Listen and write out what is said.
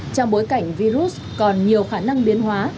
trong bối cảnh virus còn nhiều khả năng biến hóa